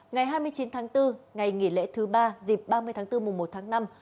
ngày hai mươi chín tháng bốn ngày nghỉ lễ thứ ba dịp ba mươi tháng bốn mùa một tháng năm